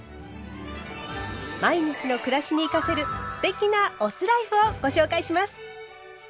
毎日の暮らしに生かせる“酢テキ”なお酢ライフをご紹介します。